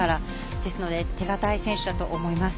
ですので、手堅い選手だと思います。